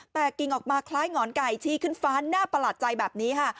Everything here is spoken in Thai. แต่กิ่งออกมาคล้ายหงอนไก่ชี้ขึ้นฟ้าน่าประหลาดใจแบบนี้ค่ะ